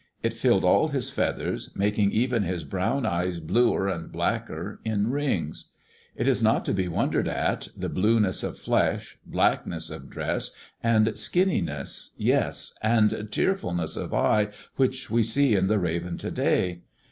It filled all his feathers, making even his brown eyes bluer and blacker, in rings. It is not to be wondered at, the blueness of flesh, blackness of dress, and skinniness, yes, and tearfulness of eye which we see in the Raven to day.